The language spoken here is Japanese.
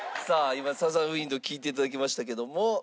今『サザン・ウインド』聴いていただきましたけども。